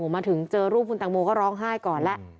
มาถึงเจอรูปคุณตังโมก็ร้องไห้ก่อนแล้ว